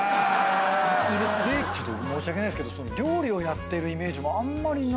ちょっと申し訳ないですけど料理をやってるイメージもあんまりないんすよね。